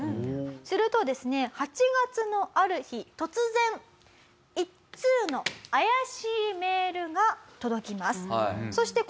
するとですね８月のある日突然一通の怪しいメールが届きます。